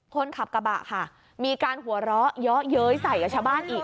คนขับกระบะค่ะมีการหัวเราะเยอะเย้ยใส่กับชาวบ้านอีก